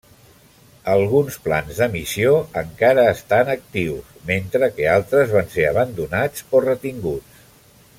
Alguns plans de missió encara estan actius, mentre que altres van ser abandonats o retinguts.